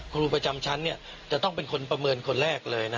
ครูประจำชั้นจะต้องเป็นคนประเมินคนแรกเลย